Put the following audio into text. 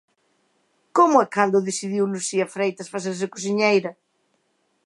Como e cando decidiu Lucía Freitas facerse cociñeira?